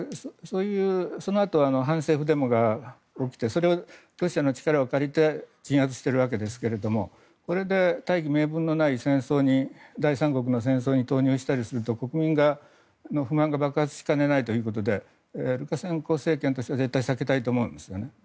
そのあと反政府デモが起きてそれをロシアの力を借りて鎮圧しているわけですがそれで大義名分のない第三国の戦争に投入したりすると国民の不満が爆発しかねないということでルカシェンコ政権としては絶対避けたいと思うんですよね。